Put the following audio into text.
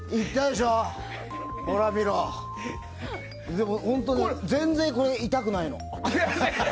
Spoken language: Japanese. でも本当に、全然痛くないの。